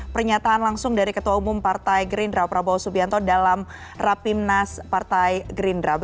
pernyataan langsung dari ketua umum partai gerindra prabowo subianto dalam rapimnas partai gerindra